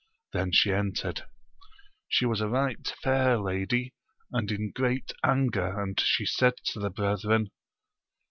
Then she entered : she was a right fair lady, and in great anger, and she said to the brethren.